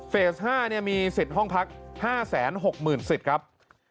๕มีสิทธิ์ห้องพัก๕๖๐๐๐สิทธิ์ครับ